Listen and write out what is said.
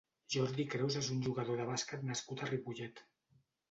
Jordi Creus és un jugador de bàsquet nascut a Ripollet.